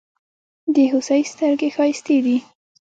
د هوسۍ ستړگي ښايستې دي.